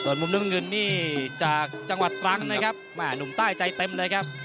มุมน้ำเงินนี่จากจังหวัดตรังนะครับแม่หนุ่มใต้ใจเต็มเลยครับ